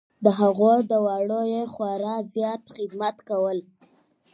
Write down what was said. د هغو دواړو یې خورا زیات خدمت کول .